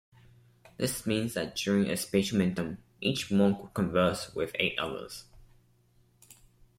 This means that during a "Spatiamentum" each monk will converse with eight others.